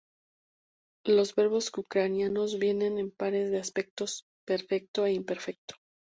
Los verbos ucranianos vienen en pares de aspectos: perfecto e imperfecto.